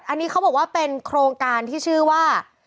อันนี้เขาบอกว่าเป็นโครงการที่ชื่อว่า